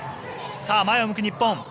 前を向く日本。